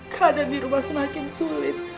keadaan di rumah semakin sulit